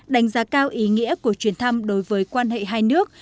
đánh giá cao ý nghĩa của chuyến thăm đối với quan hệ hai nước